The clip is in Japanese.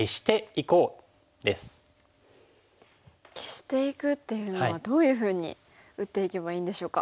消していくっていうのはどういうふうに打っていけばいいんでしょうか。